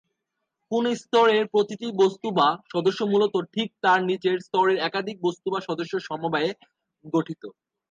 কোনও স্তরের প্রতিটি "বস্তু" বা "সদস্য" মূলত ঠিক তার নিচের স্তরের একাধিক বস্তু বা সদস্যের সমবায়ে গঠিত।